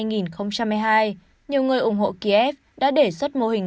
năm hai nghìn một mươi hai nhiều người ủng hộ kiev đã đề xuất mô hình